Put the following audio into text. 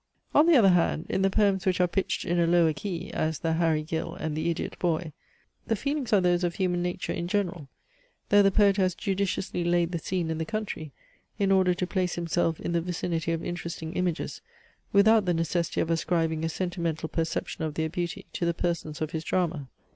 On the other hand, in the poems which are pitched in a lower key, as the HARRY GILL, and THE IDIOT BOY, the feelings are those of human nature in general; though the poet has judiciously laid the scene in the country, in order to place himself in the vicinity of interesting images, without the necessity of ascribing a sentimental perception of their beauty to the persons of his drama.